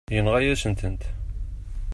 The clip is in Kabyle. Yenɣa-yasent-ten.